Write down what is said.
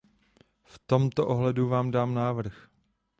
V tomto ohledu vám dám návrh.